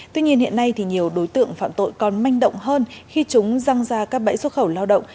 tuy nhiên hiện nay thì nhiều đối tượng phạm tội còn manh động hơn khi chúng răng ra các bẫy xuất khẩu lao động